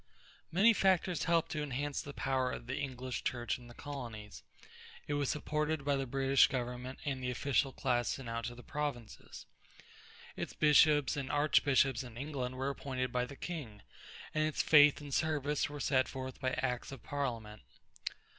Many factors helped to enhance the power of the English Church in the colonies. It was supported by the British government and the official class sent out to the provinces. Its bishops and archbishops in England were appointed by the king, and its faith and service were set forth by acts of Parliament.